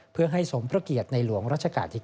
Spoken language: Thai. เพื่อให้สมพระเกียรติในหลวงรัชกาลที่๙